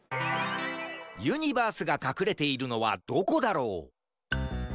ユニバースがかくれているのはどこだろう？